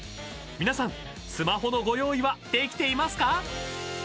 ［皆さんスマホのご用意はできていますか？］